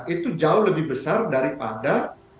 itu jauh lebih besar daripada